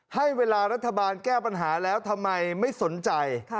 ให้เวลารัฐบาลแก้ปัญหาแล้วทำไมไม่สนใจ